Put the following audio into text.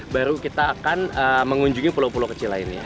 baru kita akan mengunjungi pulau pulau kecil lainnya